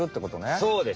そうです。